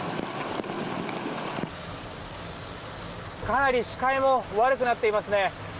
かなり視界も悪くなっていますね。